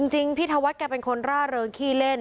จริงพี่ธวัฒน์แกเป็นคนร่าเริงขี้เล่น